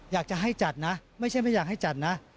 อยากจะให้จัดนะไม่ใช่ไม่อยากให้จัดนะ